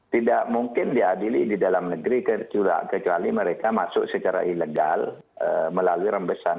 tidak mungkin diadili di dalam negeri kecuali mereka masuk secara ilegal melalui rembesan